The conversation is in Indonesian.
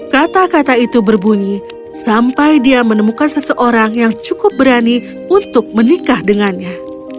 kata kata itu berbunyi sampai dia menemukan seseorang yang cukup berani untuk menikah dengannya